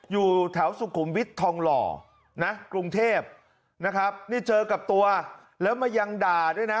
อยู่แถวสุขุมวิทย์ทองหล่อนะกรุงเทพนะครับนี่เจอกับตัวแล้วมายังด่าด้วยนะ